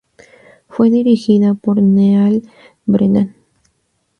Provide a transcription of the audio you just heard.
Fue dirigida por Neal Brennan.